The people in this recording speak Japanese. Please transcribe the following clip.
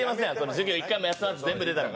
授業１回も休まんと全部出たから。